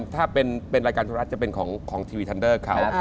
ถ้าเป็นรายการธุระจะเป็นของทีวีทันเดอร์เขา